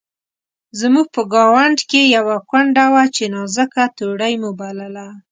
زموږ په ګاونډ کې یوه کونډه وه چې نازکه توړۍ مو بلله.